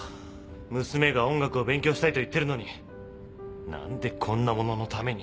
娘が音楽を勉強したいと言ってるのに何でこんなもののために。